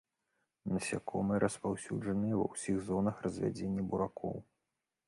Насякомыя распаўсюджаныя ва ўсіх зонах развядзення буракоў.